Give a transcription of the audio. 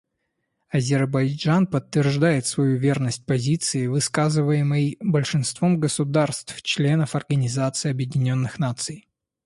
Азербайджан подтверждает свою верность позиции, высказываемой большинством государств-членов Организации Объединенных Наций.